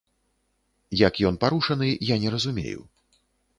Як ён парушаны, я не разумею.